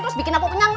terus bikin aku kenyang